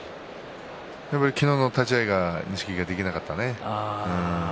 昨日の立ち合いが錦木はできなかったですね。